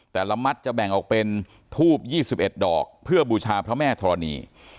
แต่ละมัดจะแบ่งออกเป็นทูบ๒๑ดอกเพื่อบูชาพระแม่ธรณี